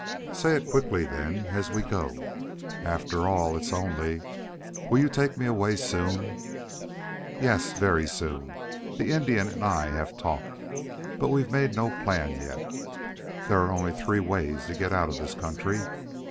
"Say it quickly, then, as we go." "After all, it's only will you take me away soon?" "Yes, very soon. The Indian and I have talked. But we've made no plan yet. There are only three ways to get out of this country.